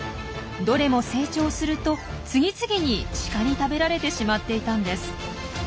どれも成長すると次々にシカに食べられてしまっていたんです。